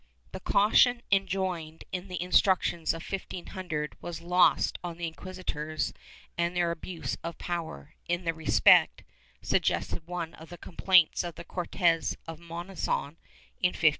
^ The caution enjoined in the Instructions of 1500 was lost on the inquisitors and their abuse of power, in this respect, suggested one of the complaints of the Cortes of Monzon, in 1510.